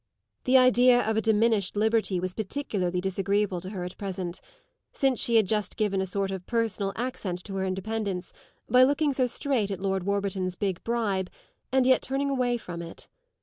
The idea of a diminished liberty was particularly disagreeable to her at present, since she had just given a sort of personal accent to her independence by looking so straight at Lord Warburton's big bribe and yet turning away from it.